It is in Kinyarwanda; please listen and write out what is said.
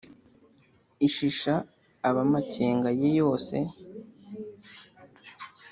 Ishisha ab’amakenga ye yose